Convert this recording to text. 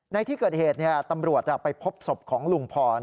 ในที่เกิดเหตุตำรวจไปพบศพของลุงพร